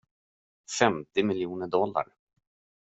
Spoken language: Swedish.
Femtio miljoner dollar.